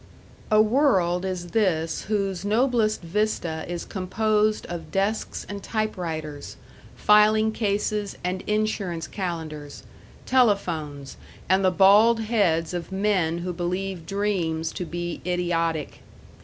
A world is this whose noblest vista is composed of desks and typewriters, filing cases and insurance calendars, telephones, and the bald heads of men who believe dreams to be idiotic.